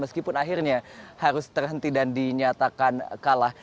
meskipun akhirnya harus terhenti dan dinyatakan kalah